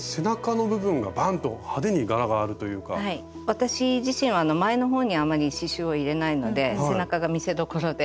私自身前の方にあまり刺しゅうを入れないので背中が見せどころで。